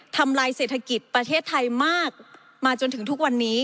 ทำลายเศรษฐกิจประเทศไทยมากมาจนถึงทุกวันนี้